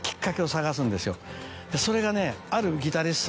それがね。